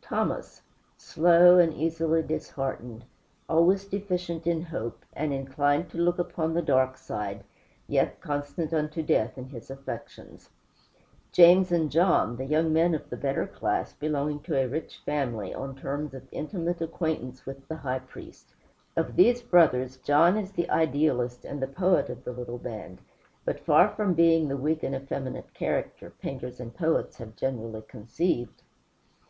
Thomas, slow and easily disheartened; always deficient in hope, and inclined to look upon the dark side, yet constant unto death in his affections. James and John, young men of the better class, belonging to a rich family, on terms of intimate acquaintance with the High Priest. Of these brothers, John is the idealist and the poet of the little band, but far from being the weak and effeminate character painters and poets have generally conceived.